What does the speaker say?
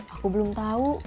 aku belum tahu